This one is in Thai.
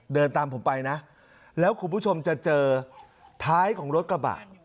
เดินตามผมไปนะแล้วคุณผู้ชมจะเจอท้ายของรถกระบะ